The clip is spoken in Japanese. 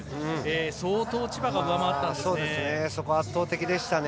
相当千葉が上回ったんですね。